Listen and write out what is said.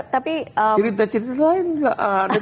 cerita cerita lain gak ada